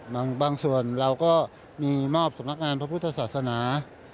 บางส่วนเราก็มีมอบสำนักงานพระพุทธศาสนา